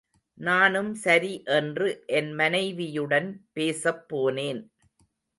நானும் சரி என்று என் மனைவியுடன் பேசப்போனேன்.